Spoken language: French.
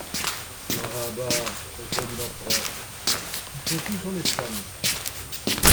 Bah ! bah ! répondit l'empereur, ils sont tous en Espagne.